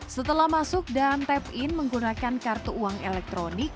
setelah masuk dan tap in menggunakan kartu uang elektronik